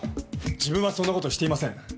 自分はそんな事していません。